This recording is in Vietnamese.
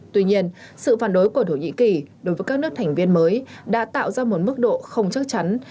tuy nhiên sự phản đối của thổ nhĩ kỳ đối với các nước thành viên mới đã tạo ra một mức độ không chắc chắn